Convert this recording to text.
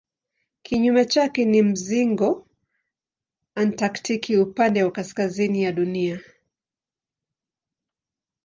Kinyume chake ni mzingo antaktiki upande wa kaskazini ya Dunia.